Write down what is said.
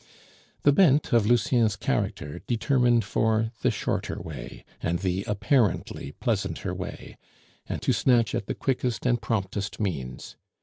The bent of Lucien's character determined for the shorter way, and the apparently pleasanter way, and to snatch at the quickest and promptest means.